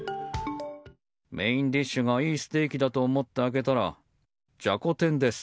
メインディッシュがいいステーキだと思って開けたらじゃこ天です。